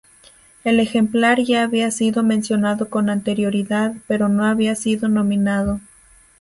El ejemplar ya había sido mencionado con anterioridad, pero no había sido nominado.